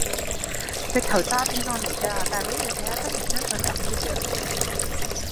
直頭詐騙案嚟㗎大佬你睇吓真人張相咁嘅樣